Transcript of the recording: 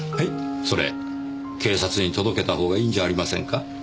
それ警察に届けたほうがいいんじゃありませんか？